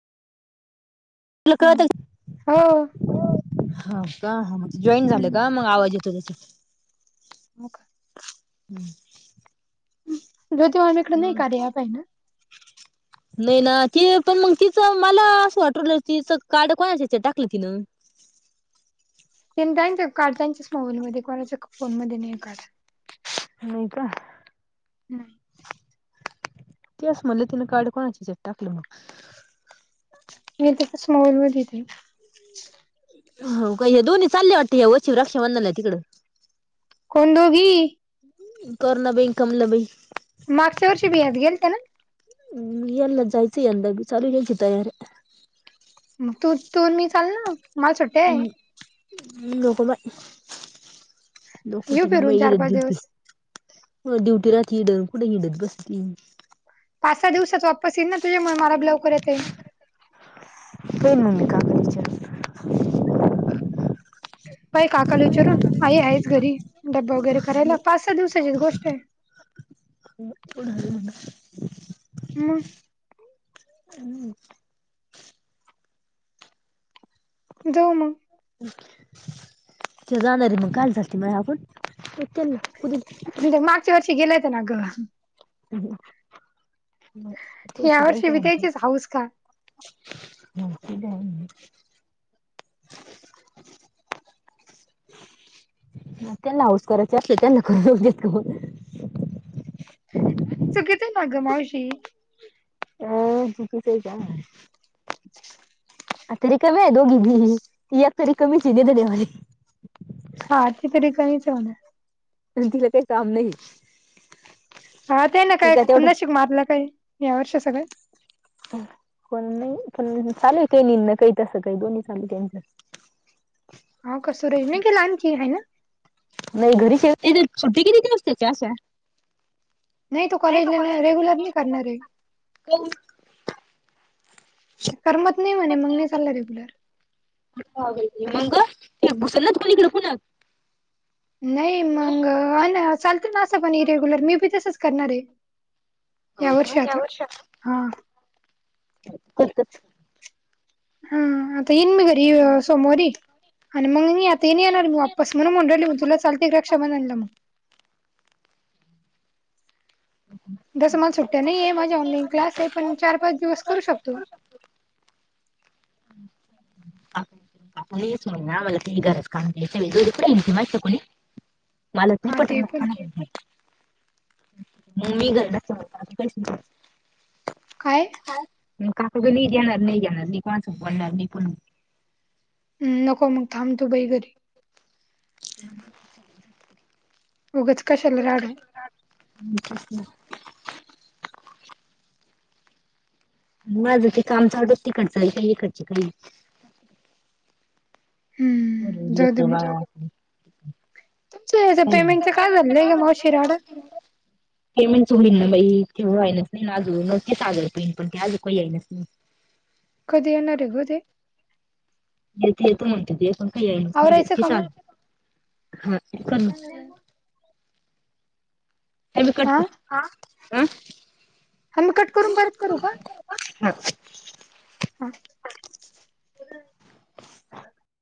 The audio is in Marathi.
तुला हा कळत हो का, हा. का ह, जॉईन झालं हं. का मग आवाज येतो त्याचा. मका हम्म. ज तव आ्ही एकडे नाही कार पा ना. नाही ना ती पण मग तीच मला असं वाटू लागलं तिचं कार्ड कोणाच्या हेच्यात टाकलं तिन? त्यां त्यांच काढ त्यांच मोबाईल मध्ये कोणाच फोन मध्ये नाही काढ. नाहीय का हम्म तेस म्हणलं तिनं कार्ड कोणाच्या ह्याच्यात टाकलं मग? मी तसच मॉल मध्येथे हो का हे दोन्ही चालले वाटतें हे वचीव रक्षाबंधन आहे तिकडं. कोण दोगी? कर न बा इनकमला बई. मागच्या वर्षी बियात गेलना. मग यंदा जायचं यंदा बी चालू यायची तयार. मग तो तो मी चालना? हम्म नको बाई. [unintelligible] येऊ ड्युटी फिरून चार पाच दिवस राहती हिथ कुठ हिंडत बसती. पाच सहा दिवसात वापस येईल ना तुझ्यामुळे मला ब लवकर येते. पन मूममी का कचर. बाई काकाला विचारून आई आहेच घरी डब्बा वगैरे करायला पाच सहा दिवसाचीच गोष्ट आहे. होणा म्हणा. हम्म. [inaudible] जाऊ मग. जाणारे कालच असते म्ह आपण म्हणजे मागच्या वर्षी गेले होते ना ग. तसलते या म्हत वर्षी बी त्याचीच हाऊस का मला. नकी का? त्यांना हास करायचे अस त्यांना करेत का. चुकीचय नाग मावशी? अ चुकीचय का नाही. [inaudible] आता रिकाम्या आहे दोघी घी ती आ तरी कमीच देेतरीव हाती तरी कमीच आहे. आणि तिला काही काम नाही. हा ते ना ती काय तेवढंच तुशीिक मारलं काय या वर्ष सगळं. पण नाही पण चालू काही निन काही तसं काही दोन्ही चालू त्यांच्या. [inaudible] हो का सरज नाही केला आण की आहे ना. नाही घरी शेव छटी किती असस्तेच्या अशा. नाही तो कॉलेजला नाही रेग्युलर नाही करणार आहे. हो. [unintelligible] करमत नाही म्हणे मग नाही चालला रेग्युलर. मंग ते घुसल ना कोणीकडे पुन नाही मंग अ ना चालत ना असं पण इरेग्युलर मी बी तसंच करणार आहे. या वर्ष आता हा. [inaudible] हा आता येईन मी घरी सोमोारी आणि मग आता ये येणार मी वापस म्हणून म्हणाले ‌म चालते क्षमा आण मग. जसं मला सुट्ट्या नाही आहे माझी ऑनलाईन क्लास आहे पण चार पाच दिवस करू शकतो. णीच म्हण ना मला ती गरच काम क मा कोणी. मलत हा ते पण नाही पटत. मम्मी घरत कस नाही. काय? काक क नाही जाणार नाही जाणार नाही कोणाचं पडणार नाही पण. ह नको मग थांबतो बाई घरी. [inaudible] उगच काशल राड [inaudible] मग आझं ते काम चालूत त खडच आणि काही खडच काही. हम्म जाऊ दे लेकरा बाळा. पेमेंटं काय झालंय का मवशीिराड. पेमेंट च होईन ना बा तेव आहेनच नाही ना आज न ते सागर प येईन पण ते आज काही येईनच नाही. कधी येणारे गते. येत येत म्हणत ते पण काही आवरायचं का येईना मग बाई. हे कट. हा आम्ही कट करून परत करू का हा.